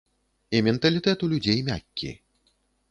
І менталітэт у людзей мяккі.